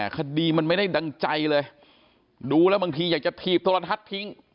คดีมันไม่ได้ดังใจเลยดูแล้วบางทีอยากจะถีบโทรทัศน์ทิ้ง